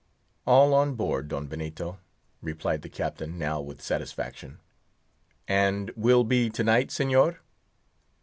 "All on board, Don Benito," replied the Captain, now with satisfaction. "And will be to night, Señor?"